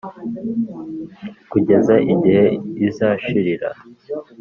kugeza igihe izashirira.